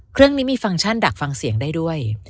เครื่องนี้มีฟังก์ชั่นดักฟังเสียงได้ด้วย